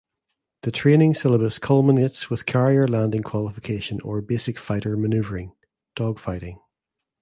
The training syllabus culminates with carrier landing qualification or basic fighter maneuvering ("dogfighting").